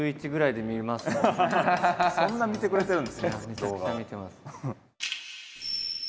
めちゃくちゃ見てます。